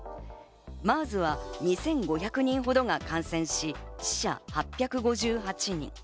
ＭＥＲＳは２５００人ほどが感染し、死者８５８人。